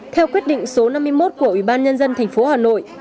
theo quyết định số năm mươi một của ủy ban nhân dân tp hà nội